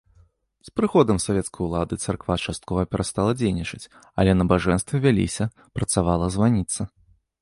З прыходам савецкай улады царква часткова перастала дзейнічаць, але набажэнствы вяліся, працавала званіца.